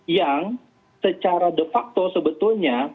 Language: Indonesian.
yang secara de facto sebetulnya